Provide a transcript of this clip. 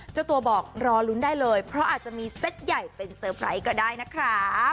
เจ้าตัวบอกรอลุ้นได้เลยเพราะอาจจะมีเซ็ตใหญ่เป็นเซอร์ไพรส์ก็ได้นะครับ